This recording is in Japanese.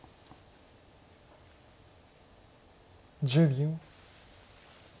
１０秒。